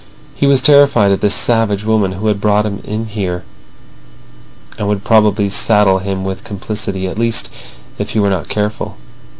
He was terrified at this savage woman who had brought him in there, and would probably saddle him with complicity, at least if he were not careful.